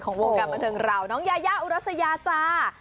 วงการบันเทิงเราน้องยายาอุรัสยาจ้า